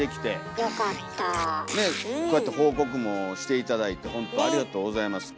ねえこうやって報告もして頂いてほんとありがとうございます。